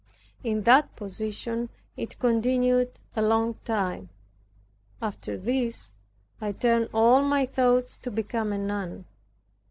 In that position it continued a long time. After this, I turned all my thoughts to become a nun.